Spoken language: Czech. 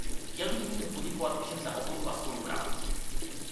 Chtěl bych tímto poděkovat všem za ochotu a spolupráci.